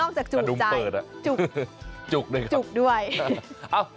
นอกจากจุใจจุกด้วยครับ